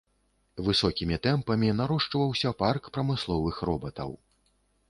Высокімі тэмпамі нарошчваўся парк прамысловых робатаў.